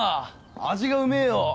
味がうめえよ！